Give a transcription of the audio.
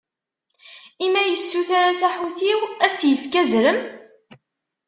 I ma yessuter-as aḥutiw, ad s-ifk azrem?